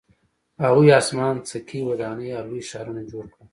هغوی اسمان څکې ودانۍ او لوی ښارونه جوړ کړل